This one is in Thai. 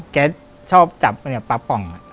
แกชอบจับปลาป่อง